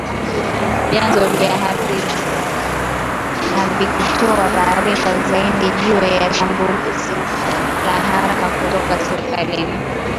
Vyanzo hivyo havikutoa taarifa zaidi juu ya shambulizi la haraka kutoka serikalini